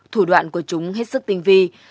thủ đoạn của chúng hết sức tinh vi